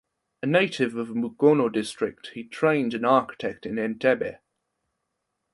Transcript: A native of Mukono District he trained an architect in Entebbe.